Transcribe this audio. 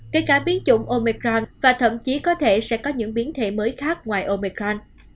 kể cả biến chủng omicron và thậm chí có thể sẽ có những biến thể mới khác ngoài omicron